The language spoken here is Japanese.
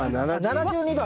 ７２度！